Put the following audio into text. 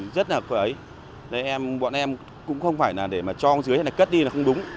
rất là phải bọn em cũng không phải là để mà cho dưới hay là cất đi là không đúng